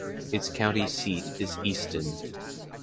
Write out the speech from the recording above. Its county seat is Easton.